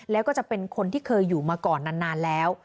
แล้วก็จะเป็นคนที่เคยอยู่มาก่อนนานแล้ว